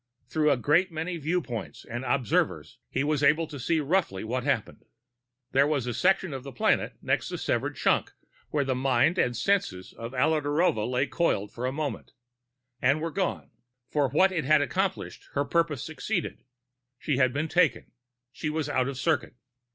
Through a great many viewpoints and observers, he was able to see roughly what happened. There was a section of the planet next the severed chunk where the mind and senses of Alla Narova lay coiled for a moment and were gone. For what it had accomplished, her purpose succeeded. She had been taken. She was out of circuit.